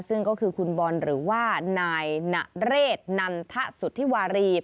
ซึ่งก็คือคุณบอลหรือว่านายนเรศนันทสุธิวารี